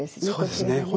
そうですね。